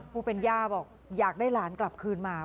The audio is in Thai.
ผู้เป็นย่าบอกอยากได้หลานกลับคืนมา